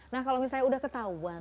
nah kalau misalnya udah ketahuan